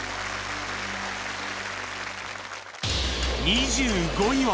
２５位は